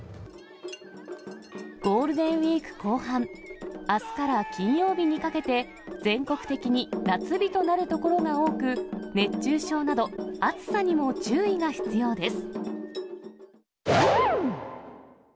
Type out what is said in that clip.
ゴールデンウィーク後半、あすから金曜日にかけて、全国的に夏日となる所が多く、熱中症など、暑さにも注意が必要です。